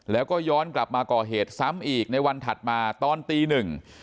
แล้วก็ย้อนกลับมาก่อเหตุซ้ำอีกในวันถัดมาตอนตีหนึ่ง